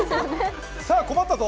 さあ、困ったぞ。